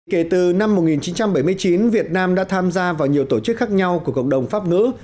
kể từ năm một nghìn chín trăm bảy mươi chín việt nam đã tham gia vào nhiều tổ chức khác nhau của cộng đồng pháp ngữ